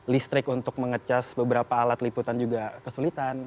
listrik untuk mengecas beberapa alat liputan juga kesulitan